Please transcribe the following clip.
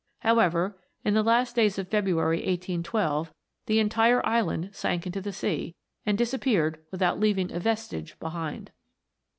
However, in the last days of February, 1812, the entire island sank into the sea, and dis appeared without leaving a vestige behind.